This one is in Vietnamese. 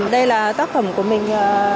đây là tác phẩm của mình